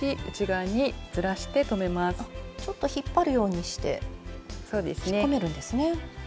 ちょっと引っ張るようにして引っ込めるんですね。